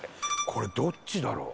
これどっちだろう？